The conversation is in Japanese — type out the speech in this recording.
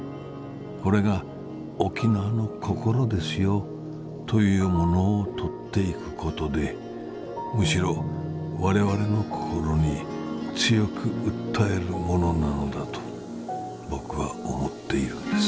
これが沖縄の心ですよというものを撮っていくことでむしろわれわれの心に強く訴えるものなのだとぼくは思っているんです」。